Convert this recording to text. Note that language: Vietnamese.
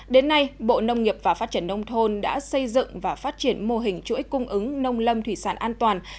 đến nay bộ nông nghiệp và phát triển nông thôn đã xây dựng và phát triển mô hình chuỗi cung ứng nông lâm thủy sản an toàn